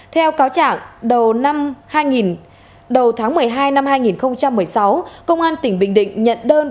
theo cáo chẳng đầu tháng một mươi hai năm hai nghìn một mươi sáu công an tỉnh bình định nhận đơn